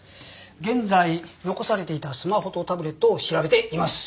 現在残されていたスマホとタブレットを調べています。